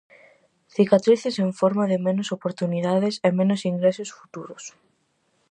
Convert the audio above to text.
Cicatrices en forma de menos oportunidades e menos ingresos futuros.